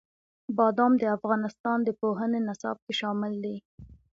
بادام د افغانستان د پوهنې نصاب کې شامل دي.